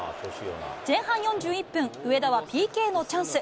前半４１分、上田はＰＫのチャンス。